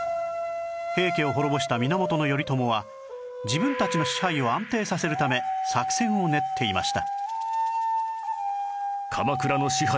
平家を滅ぼした源頼朝は自分たちの支配を安定させるため作戦を練っていました